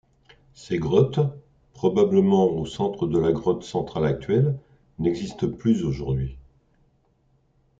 Ces grottes, probablement au centre de la grotte centrale actuelle, n'existent plus aujourd'hui.